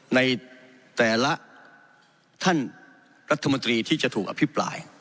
ในแต่ละท่านรัฐมนตรีที่จะถูกอภิปราย